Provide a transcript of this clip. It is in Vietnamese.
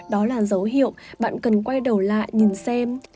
đó là dấu hiệu bạn cần quay đầu lạ nhìn xem